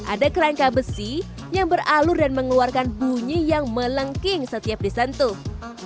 ada kerangka besi yang beralur dan mengeluarkan bunyi yang melengking setiap disentuh